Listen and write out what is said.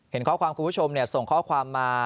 เห็นข้อความคุณผู้ชมส่งข้อความมา